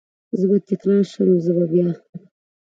زه به تکرار شم، زه به بیا،